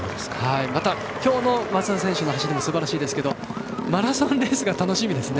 今日の松田選手の走りもすばらしいですけどもマラソンレースが楽しみですね